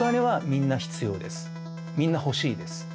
みんな欲しいです。